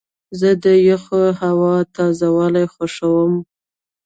زه د یخې هوا تازه والی خوښوم.